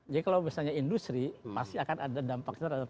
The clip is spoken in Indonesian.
jadi kalau misalnya industri pasti akan ada dampaknya terhadap industri